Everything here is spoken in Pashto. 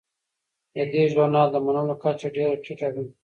د دې ژورنال د منلو کچه ډیره ټیټه ده.